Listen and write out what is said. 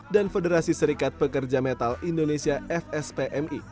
dan federasi serikat pekerja metal indonesia fspmi